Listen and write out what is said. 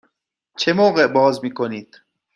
چه موقع باز می کنید؟